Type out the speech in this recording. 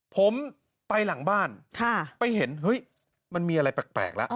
ผมไปหลังบ้านไปเห็นเฮ้ยมันมีอะไรแปลกแล้ว